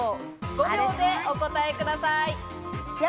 ５秒でお答えください。